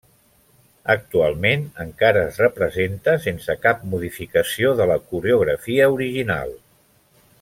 Actualment encara es representa sense cap modificació de la coreografia original.